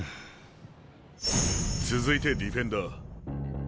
続いてディフェンダー。